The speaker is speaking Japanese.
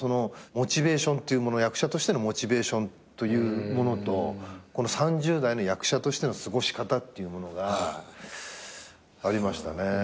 役者としてのモチベーションというものとこの３０代の役者としての過ごし方っていうものがありましたね。